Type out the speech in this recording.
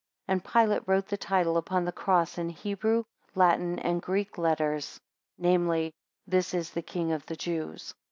9 And Pilate wrote the title upon the cross in Hebrew, Latin, and Greek letters, viz., THIS IS THE KING OF THE JEWS.